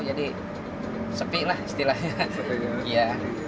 jadi sepi lah istilahnya